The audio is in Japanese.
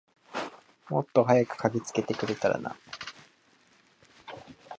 もっと早く駆けつけてくれたらな。